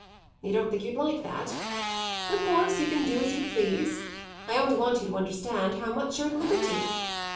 You don't think you'd like that? Of course you can do as you please; I only want you to understand how much you're at liberty.